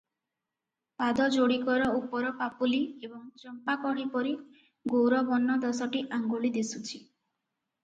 ପାଦ ଯୋଡିକର ଉପର ପାପୁଲି ଏବଂ ଚମ୍ପାକଢି ପରି ଗୌରବର୍ଣ୍ଣ ଦଶଟି ଆଙ୍ଗୁଳି ଦିଶୁଛି ।